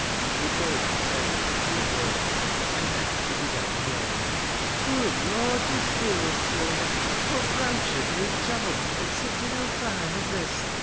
" We told our tale in a few words ; and then she began again. " Good lorjus days, childer! What browt yo through t' channel at sich an ill time as this